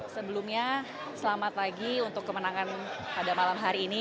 sebelumnya selamat pagi untuk kemenangan pada malam hari ini